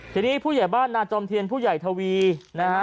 ทีนี้ผู้ใหญ่บ้านนาจอมเทียนผู้ใหญ่ทวีนะฮะ